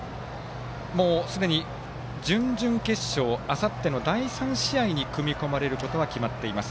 すでに、準々決勝あさっての第３試合に組み込まれることは決まっています。